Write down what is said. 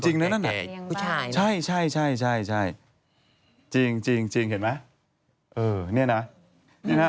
จริงนั่นนั่นอุ๊ยจริงใช่ใช่ใช่จริงเห็นไหมเออเนี่ยนะ